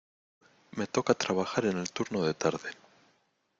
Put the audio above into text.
Me toca trabajar en el turno de tarde.